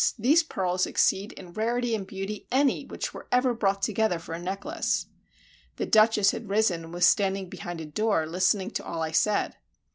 These pearls exceed in rarity and beauty any which were ever brought together for a necklace." The Duchess had risen, and was standing behind a door listening to all I said.